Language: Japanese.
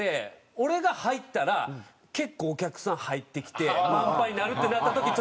俺が入ったら結構お客さん入ってきて満杯になるってなった時ちょっとうれしい。